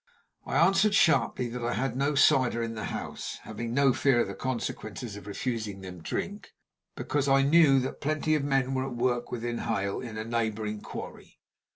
I answered sharply that I had no cider in the house, having no fear of the consequences of refusing them drink, because I knew that plenty of men were at work within hail, in a neighboring quarry.